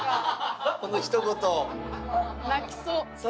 このひと言。